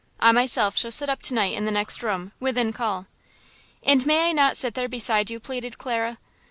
I myself shall sit up to night in the next room, within call." "And may I not sit there beside you?" pleaded Clara.